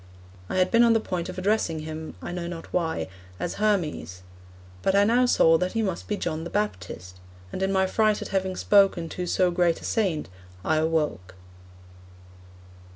I had been on the point of addressing him I know not why as Hermes. But I now saw that he must be John the Baptist; and in my fright at having spoken to so great a Saint I awoke.